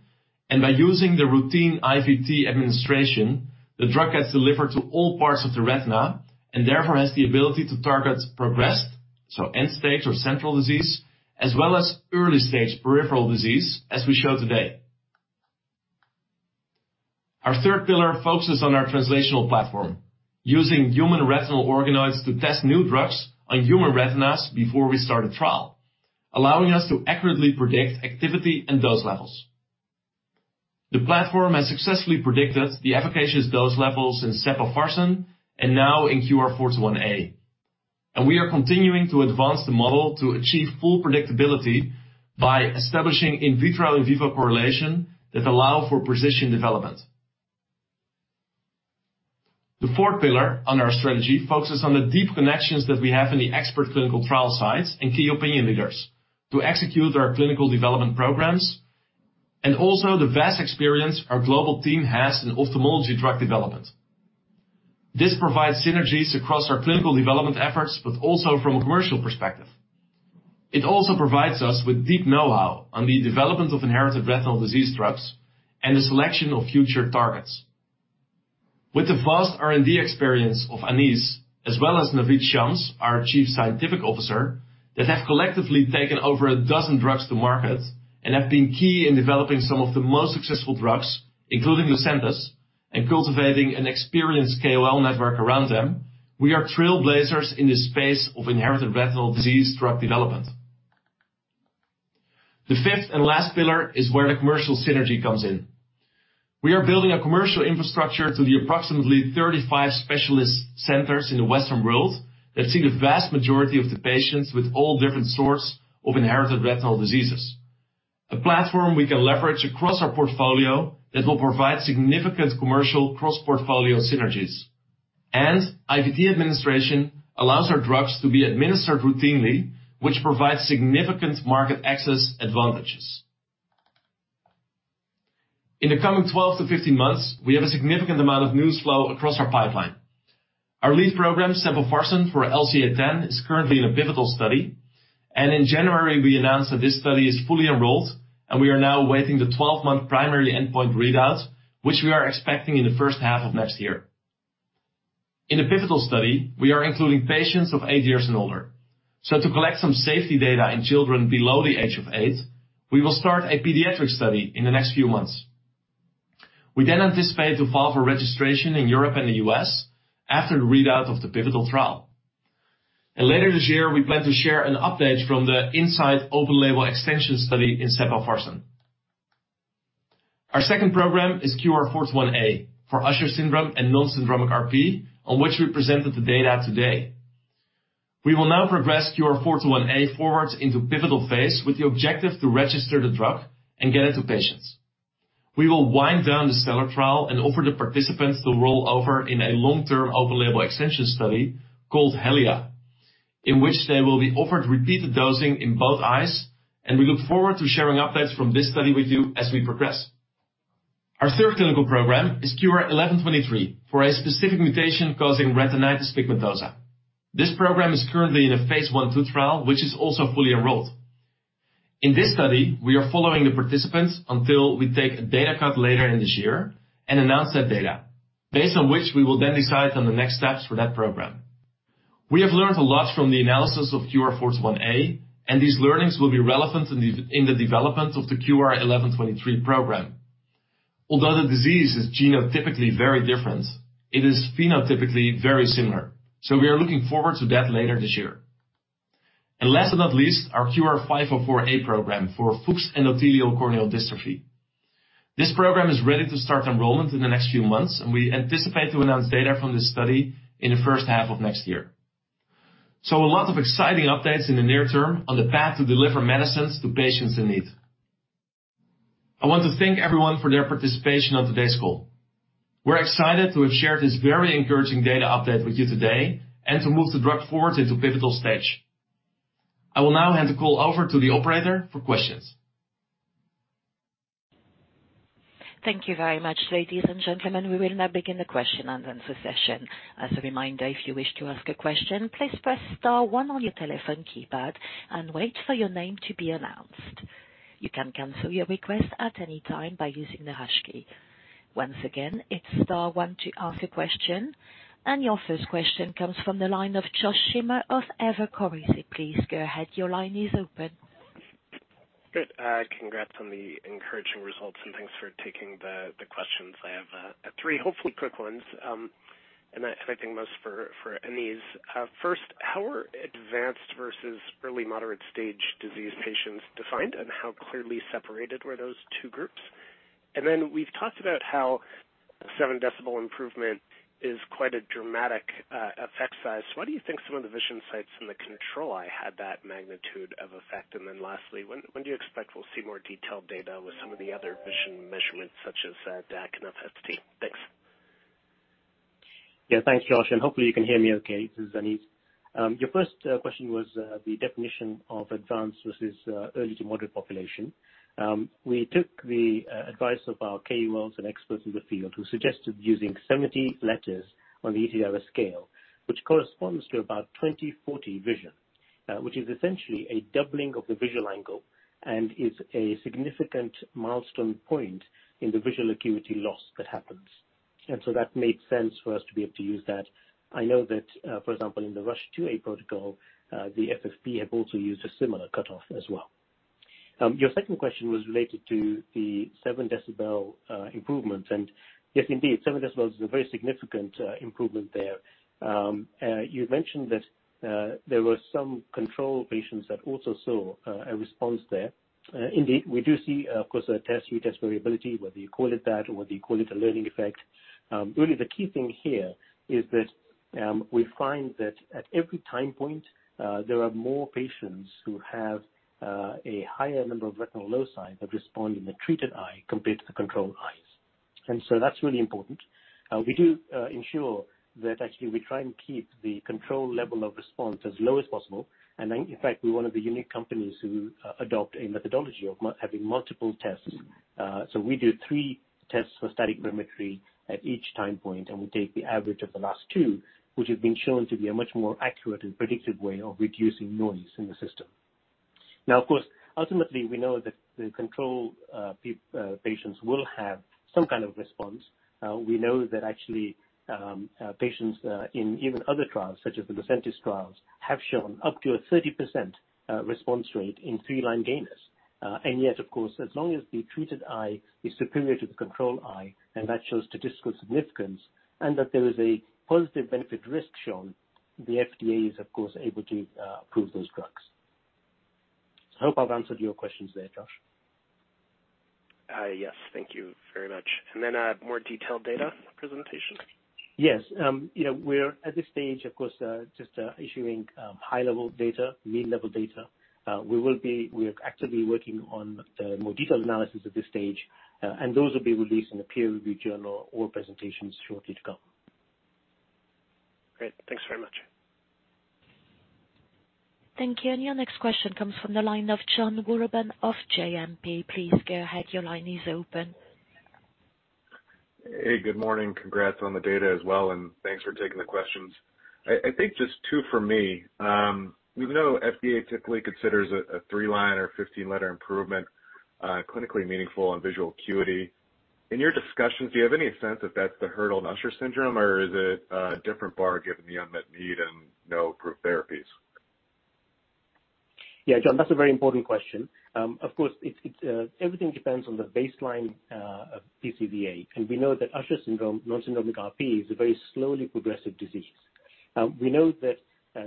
and by using the routine IVT administration, the drug gets delivered to all parts of the retina, and therefore has the ability to target progressed, so end-stage or central disease, as well as early-stage peripheral disease, as we show today. Our third pillar focuses on our translational platform, using human retinal organoids to test new drugs on human retinas before we start a trial, allowing us to accurately predict activity and dose levels. The platform has successfully predicted the efficacious dose levels in sepofarsen and now in QR-421a. We are continuing to advance the model to achieve full predictability by establishing in vitro in vivo correlation that allow for precision development. The fourth pillar on our strategy focuses on the deep connections that we have in the expert clinical trial sites and key opinion leaders to execute our clinical development programs, and also the vast experience our global team has in ophthalmology drug development. This provides synergies across our clinical development efforts, but also from a commercial perspective. It also provides us with deep know-how on the development of inherited retinal disease drugs and the selection of future targets. With the vast R&D experience of Aniz, as well as Naveed Shams, our Chief Scientific Officer, that have collectively taken over a dozen drugs to market and have been key in developing some of the most successful drugs, including Lucentis, and cultivating an experienced KOL network around them, we are trailblazers in the space of inherited retinal disease drug development. The fifth and last pillar is where the commercial synergy comes in. We are building a commercial infrastructure to the approximately 35 specialist centers in the Western world that see the vast majority of the patients with all different sorts of inherited retinal diseases. A platform we can leverage across our portfolio that will provide significant commercial cross-portfolio synergies. IVT administration allows our drugs to be administered routinely, which provides significant market access advantages. In the coming 12-15 months, we have a significant amount of news flow across our pipeline. Our lead program, sepofarsen for LCA 10, is currently in a pivotal study. In January, we announced that this study is fully enrolled. We are now awaiting the 12-month primary endpoint readouts, which we are expecting in the first half of next year. In the pivotal study, we are including patients of eight years and older. To collect some safety data in children below the age of eight, we will start a pediatric study in the next few months. We anticipate to file for registration in Europe and the U.S. after the readout of the pivotal trial. Later this year, we plan to share an update from the Insight open-label extension study in sepofarsen. Our second program is QR-421a for Usher syndrome and non-syndromic RP, on which we presented the data today. We will now progress QR-421a forward into pivotal phase with the objective to register the drug and get it to patients. We will wind down the STELLAR trial and offer the participants to roll over in a long-term open-label extension study called Helia, in which they will be offered repeated dosing in both eyes, and we look forward to sharing updates from this study with you as we progress. Our third clinical program is QR-1123 for a specific mutation causing retinitis pigmentosa. This program is currently in a phase I/II trial, which is also fully enrolled. In this study, we are following the participants until we take a data cut later in this year and announce that data, based on which we will then decide on the next steps for that program. We have learned a lot from the analysis of QR-421a, and these learnings will be relevant in the development of the QR-1123 program. Although the disease is genotypically very different, it is phenotypically very similar. We are looking forward to that later this year. Last but not least, our QR-504a program for Fuchs endothelial corneal dystrophy. This program is ready to start enrollment in the next few months, and we anticipate to announce data from this study in the first half of next year. A lot of exciting updates in the near term on the path to deliver medicines to patients in need. I want to thank everyone for their participation on today's call. We're excited to have shared this very encouraging data update with you today and to move the drug forward into pivotal stage. I will now hand the call over to the operator for questions. Thank you very much, ladies and gentlemen. We will now begin the question-and-answer session. As a reminder, if you wish to ask a question, please press star one on your telephone keypad and wait for your name to be announced. You can cancel your request at any time by using the hash key. Once again, it's star one to ask a question. Your first question comes from the line of Josh Schimmer of Evercore ISI. Please go ahead. Your line is open. Good. Congrats on the encouraging results. Thanks for taking the questions. I have three hopefully quick ones. I think most for Aniz. First, how were advanced versus early moderate stage disease patients defined? How clearly separated were those two groups? We've talked about how seven decibel improvement is quite a dramatic effect size. Why do you think some of the vision sites from the control eye had that magnitude of effect? Lastly, when do you expect we'll see more detailed data with some of the other vision measurements such as DAC and FST? Thanks. Yeah. Thanks, Josh. Hopefully you can hear me okay. This is Aniz. Your first question was the definition of advanced versus early to moderate population. We took the advice of our KOLs and experts in the field, who suggested using 70 letters on the ETDRS scale, which corresponds to about 20/40 vision, which is essentially a doubling of the visual angle and is a significant milestone point in the visual acuity loss that happens. That made sense for us to be able to use that. I know that, for example, in the RUSH2A protocol, the FFB have also used a similar cutoff as well. Your second question was related to the seven decibel improvement. Yes, indeed, seven decibels is a very significant improvement there. You mentioned that there were some control patients that also saw a response there. Indeed, we do see, of course, a test retest variability, whether you call it that or whether you call it a learning effect. The key thing here is that we find that at every time point, there are more patients who have a higher number of retinal loci that respond in the treated eye compared to the control eyes. That's really important. We do ensure that actually we try and keep the control level of response as low as possible. In fact, we're one of the unique companies who adopt a methodology of having multiple tests. We do three tests for static perimetry at each time point, and we take the average of the last two, which have been shown to be a much more accurate and predictive way of reducing noise in the system. Now, of course, ultimately, we know that the control patients will have some kind of response. We know that actually patients in even other trials, such as the Lucentis trials, have shown up to a 30% response rate in three-line gainers. Yet, of course, as long as the treated eye is superior to the control eye, and that shows statistical significance, and that there is a positive benefit risk shown, the FDA is, of course, able to approve those drugs. I hope I've answered your questions there, Josh. Yes. Thank you very much. More detailed data presentation? Yes. We're at this stage, of course, just issuing high-level data, mid-level data. We are actively working on the more detailed analysis at this stage, and those will be released in a peer-reviewed journal or presentations shortly to come. Great. Thanks very much. Thank you. Your next question comes from the line of Jon Wolleben of JMP. Please go ahead. Your line is open. Hey, good morning. Congrats on the data as well, and thanks for taking the questions. I think just two for me. We know FDA typically considers a three-line or 15-letter improvement clinically meaningful on visual acuity. In your discussions, do you have any sense if that's the hurdle in Usher syndrome, or is it a different bar given the unmet need and no approved therapies? Yeah, Jon, that's a very important question. Of course, everything depends on the baseline of BCVA. We know that Usher syndrome, non-syndromic RP, is a very slowly progressive disease. We know that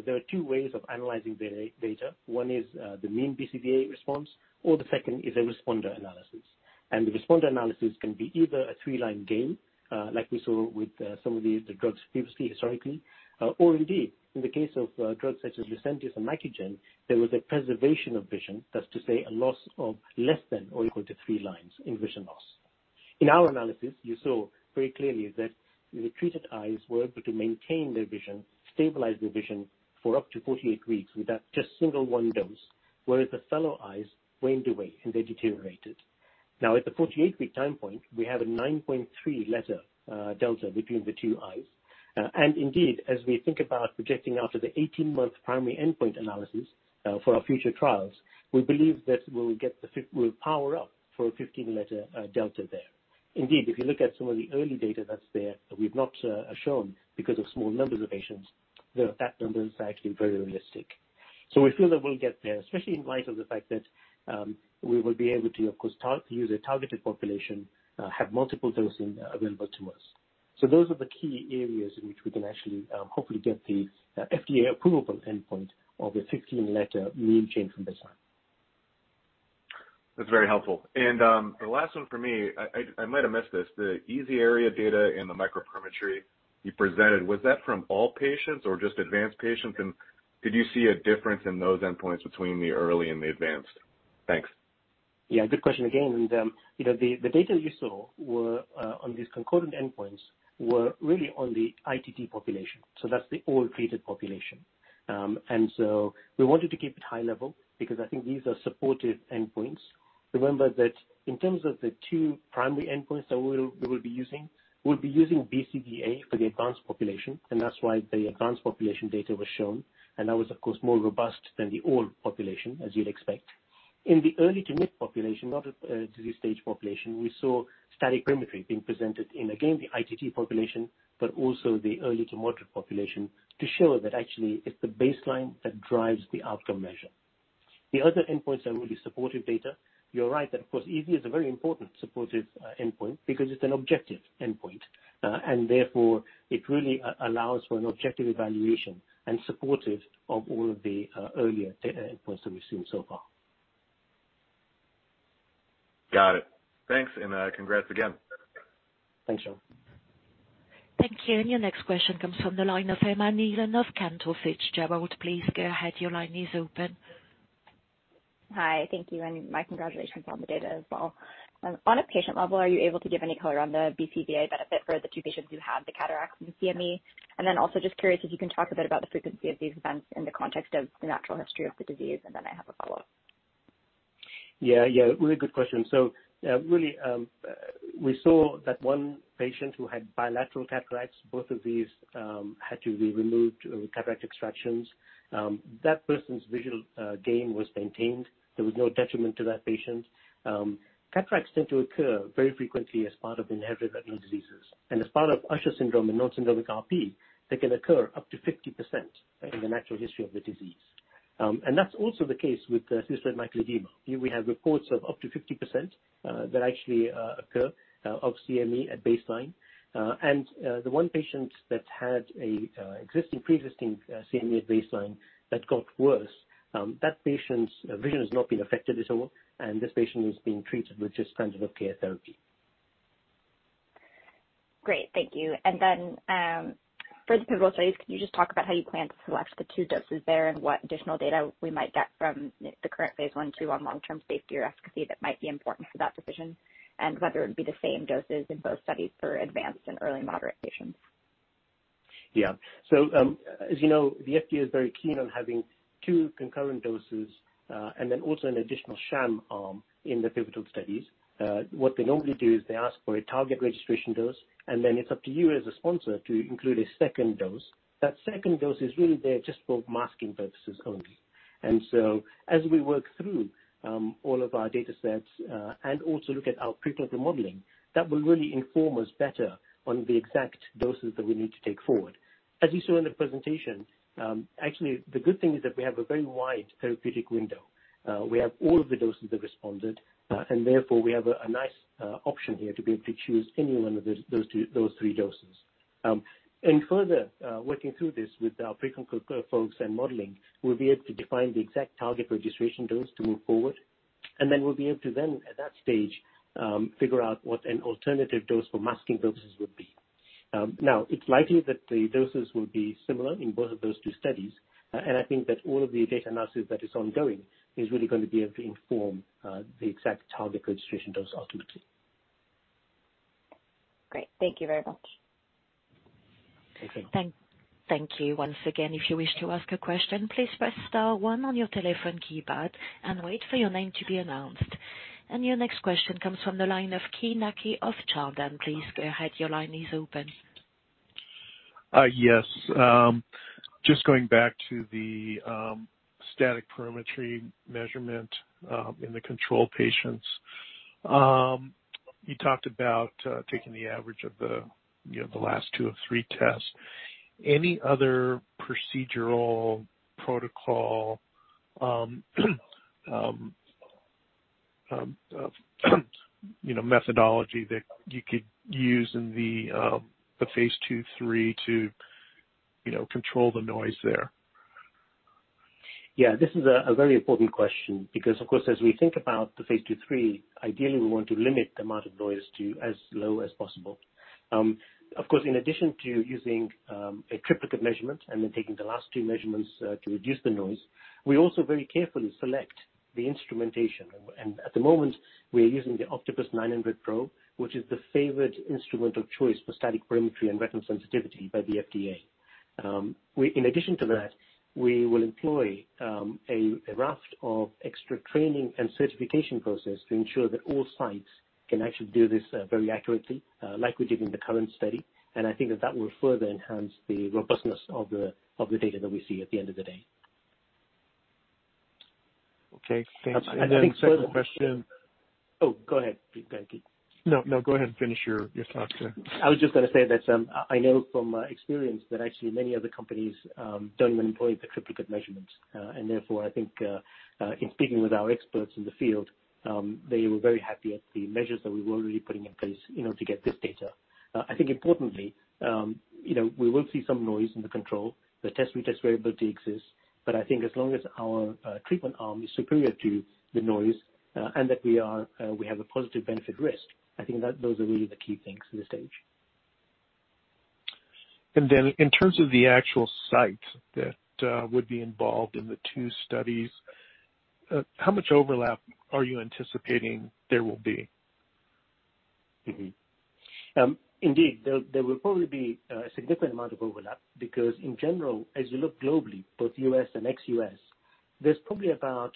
there are two ways of analyzing the data. One is the mean BCVA response, the second is a responder analysis. The responder analysis can be either a three-line gain, like we saw with some of these drugs previously, historically, or indeed, in the case of drugs such as Lucentis and Macugen, there was a preservation of vision. That's to say, a loss of less than or equal to three lines in vision loss. In our analysis, you saw very clearly that the treated eyes were able to maintain their vision, stabilize their vision for up to 48 weeks with that just single one dose, whereas the fellow eyes waned away, and they deteriorated. Now, at the 48-week time point, we have a 9.3 letter delta between the two eyes. As we think about projecting after the 18-month primary endpoint analysis for our future trials, we believe that we'll power up for a 15-letter delta there. If you look at some of the early data that's there that we've not shown because of small numbers of patients, that number is actually very realistic. We feel that we'll get there, especially in light of the fact that we will be able to, of course, use a targeted population, have multiple dosing available to us. Those are the key areas in which we can actually hopefully get the FDA approval endpoint of a 15-letter mean change from baseline. That's very helpful. The last one for me, I might have missed this, the EZ area data and the microperimetry you presented, was that from all patients or just advanced patients? Did you see a difference in those endpoints between the early and the advanced? Thanks. Yeah, good question again. The data you saw on these concordant endpoints were really on the ITT population, so that's the all-treated population. We wanted to keep it high level, because I think these are supportive endpoints. Remember that in terms of the two primary endpoints that we will be using, we'll be using BCVA for the advanced population, and that's why the advanced population data was shown, and that was, of course, more robust than the all population, as you'd expect. In the early to mid population, not at disease stage population, we saw static perimetry being presented in, again, the ITT population, but also the early to moderate population to show that actually it's the baseline that drives the outcome measure. The other endpoints are really supportive data. You're right that, of course, EZ is a very important supportive endpoint because it's an objective endpoint, and therefore it really allows for an objective evaluation and supportive of all of the earlier data endpoints that we've seen so far. Got it. Thanks, and congrats again. Thanks, Jon. Thank you. Your next question comes from the line of Emma Nealon of Cantor Fitzgerald. Please go ahead. Hi, thank you, and my congratulations on the data as well. On a patient level, are you able to give any color on the BCVA benefit for the two patients who had the cataracts and CME? Also just curious if you can talk a bit about the frequency of these events in the context of the natural history of the disease, and then I have a follow-up. Yeah. Really good question. Really, we saw that one patient who had bilateral cataracts, both of these had to be removed with cataract extractions. That person's visual gain was maintained. There was no detriment to that patient. Cataracts tend to occur very frequently as part of inherited retinal diseases, and as part of Usher syndrome and non-syndromic RP, they can occur up to 50% in the natural history of the disease. That's also the case with cystoid macular edema. Here we have reports of up to 50% that actually occur of CME at baseline. The one patient that had a existing, pre-existing CME at baseline that got worse, that patient's vision has not been affected at all, and this patient is being treated with just standard of care therapy. Great. Thank you. For the pivotal studies, can you just talk about how you plan to select the two doses there and what additional data we might get from the current phase I/II on long-term safety or efficacy that might be important for that decision? Whether it would be the same doses in both studies for advanced and early moderate patients? Yeah. As you know, the FDA is very keen on having two concurrent doses and then also an additional sham arm in the pivotal studies. What they normally do is they ask for a target registration dose, and then it is up to you as a sponsor to include a second dose. That second dose is really there just for masking purposes only. As we work through all of our data sets, and also look at our preclinical modeling, that will really inform us better on the exact doses that we need to take forward. As you saw in the presentation, actually, the good thing is that we have a very wide therapeutic window. We have all of the doses that responded, and therefore we have a nice option here to be able to choose any one of those three doses. Further, working through this with our preclinical folks and modeling, we'll be able to define the exact target registration dose to move forward, and then we'll be able to then at that stage, figure out what an alternative dose for masking doses would be. Now, it's likely that the doses will be similar in both of those two studies. I think that all of the data analysis that is ongoing is really going to be able to inform the exact target registration dose ultimately. Great. Thank you very much. Thank you. Thank you. Once again, if you wish to ask a question, please press star one on your telephone keypad and wait for your name to be announced. Your next question comes from the line of Keay Nakae of Chardan. Please go ahead, your line is open. Yes. Just going back to the static perimetry measurement in the control patients. You talked about taking the average of the last two of three tests. Any other procedural protocol methodology that you could use in the phase II/III to control the noise there? Yeah, this is a very important question because, of course, as we think about the phase II/III, ideally we want to limit the amount of noise to as low as possible. Of course, in addition to using a triplicate measurement and then taking the last two measurements to reduce the noise, we also very carefully select the instrumentation. At the moment, we are using the Octopus 900 Pro, which is the favored instrument of choice for static perimetry and retinal sensitivity by the FDA. In addition to that, we will employ a raft of extra training and certification process to ensure that all sites can actually do this very accurately, like we did in the current study. I think that that will further enhance the robustness of the data that we see at the end of the day. Okay, thanks. Second question? Oh, go ahead. No, go ahead and finish your thought. I was just going to say that I know from experience that actually many other companies don't even employ the triplicate measurements. Therefore, I think, in speaking with our experts in the field, they were very happy at the measures that we were already putting in place to get this data. I think importantly, we will see some noise in the control. The test-retest variability exists, I think as long as our treatment arm is superior to the noise and that we have a positive benefit risk, I think that those are really the key things at this stage. In terms of the actual site that would be involved in the two studies, how much overlap are you anticipating there will be? Indeed. There will probably be a significant amount of overlap because in general, as you look globally, both U.S. and ex-U.S., there's probably about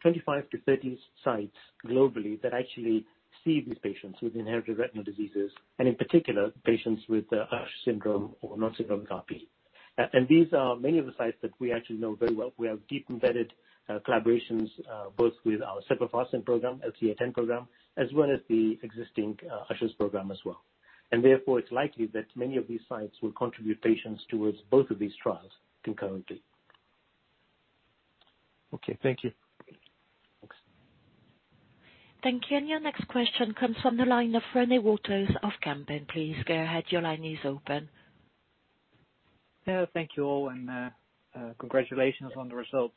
25 to 30 sites globally that actually see these patients with inherited retinal diseases and in particular, patients with Usher syndrome or non-syndromic RP. These are many of the sites that we actually know very well. We have deep embedded collaborations, both with our sepofarsen program, LCA 10 program, as well as the existing Usher program as well. Therefore, it's likely that many of these sites will contribute patients towards both of these trials concurrently. Okay. Thank you. Thanks. Thank you. Your next question comes from the line of René Wouters of Kempen. Please go ahead. Your line is open. Thank you all, congratulations on the results.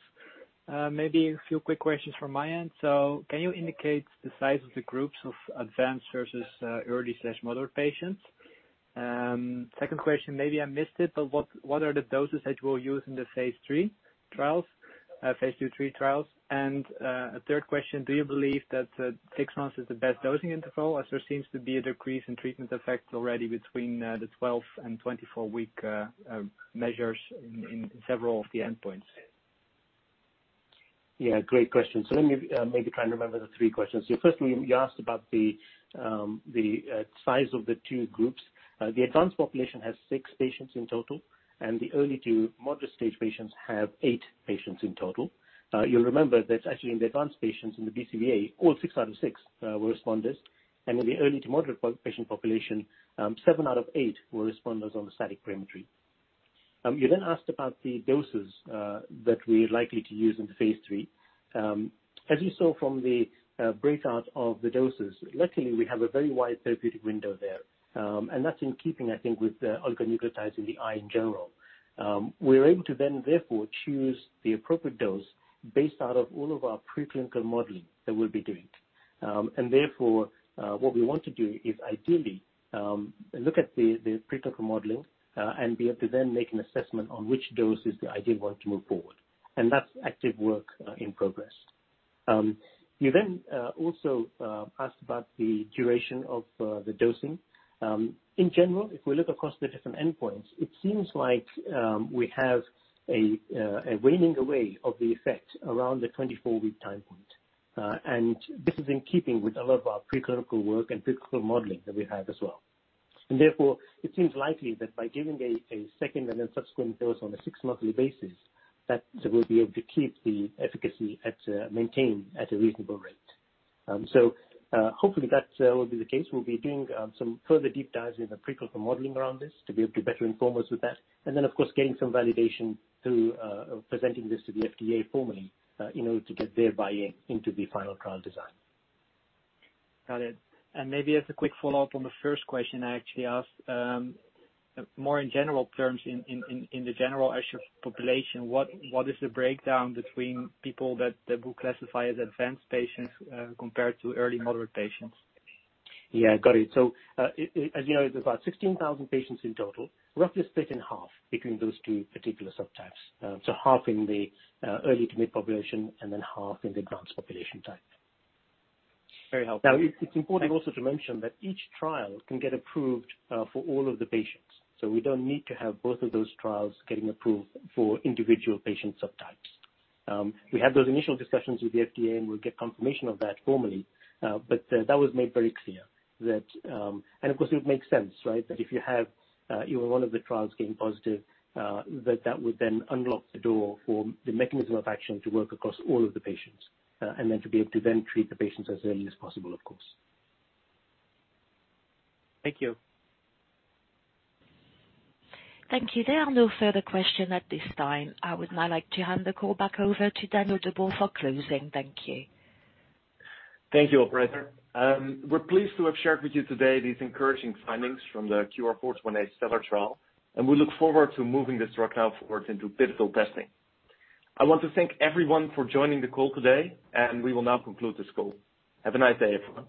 Maybe a few quick questions from my end. Can you indicate the size of the groups of advanced versus early/moderate patients? Second question, maybe I missed it, but what are the doses that you will use in the phase II, III trials? A third question, do you believe that 6 months is the best dosing interval, as there seems to be a decrease in treatment effect already between the 12 and 24 week measures in several of the endpoints? Yeah, great question. Let me maybe try and remember the three questions. Firstly, you asked about the size of the two groups. The advanced population has six patients in total, and the early to moderate stage patients have eight patients in total. You'll remember that actually in the advanced patients in the BCVA, all six out of six were responders. In the early to moderate patient population, seven out of eight were responders on the static perimetry. You asked about the doses that we're likely to use in the phase III. As you saw from the breakout of the doses, luckily, we have a very wide therapeutic window there. That's in keeping, I think, with the oligonucleotides in the eye in general. We're able to then, therefore, choose the appropriate dose based out of all of our pre-clinical modeling that we'll be doing. Therefore, what we want to do is ideally, look at the pre-clinical modeling and be able to then make an assessment on which dose is the ideal one to move forward. That's active work in progress. You also asked about the duration of the dosing. In general, if we look across the different endpoints, it seems like we have a waning away of the effect around the 24-week time point. This is in keeping with a lot of our pre-clinical work and pre-clinical modeling that we have as well. Therefore, it seems likely that by giving a second and then subsequent dose on a six-monthly basis, that we'll be able to keep the efficacy maintained at a reasonable rate. Hopefully that will be the case. We'll be doing some further deep dives in the pre-clinical modeling around this to be able to better inform us with that. Of course, getting some validation through presenting this to the FDA formally, in order to get their buy-in into the final trial design. Got it. Maybe as a quick follow-up on the first question I actually asked, more in general terms in the general Usher population, what is the breakdown between people that will classify as advanced patients compared to early moderate patients? Yeah, got it. As you know, there's about 16,000 patients in total, roughly split in half between those two particular subtypes. Half in the early to mid population and then half in the advanced population type. Very helpful. Now, it's important also to mention that each trial can get approved for all of the patients. We don't need to have both of those trials getting approved for individual patient subtypes. We had those initial discussions with the FDA, and we'll get confirmation of that formally. That was made very clear. Of course, it would make sense, right? If you have either one of the trials being positive, that would then unlock the door for the mechanism of action to work across all of the patients, and then to be able to then treat the patients as early as possible, of course. Thank you. Thank you. There are no further questions at this time. I would now like to hand the call back over to Daniel de Boer for closing. Thank you. Thank you, operator. We're pleased to have shared with you today these encouraging findings from the QR-421a STELLAR trial, and we look forward to moving this drug now forward into pivotal testing. I want to thank everyone for joining the call today, and we will now conclude this call. Have a nice day, everyone.